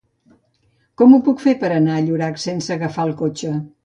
Com ho puc fer per anar a Llorac sense agafar el cotxe?